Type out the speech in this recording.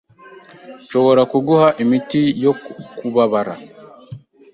Nshobora kuguha imiti yo kubabara.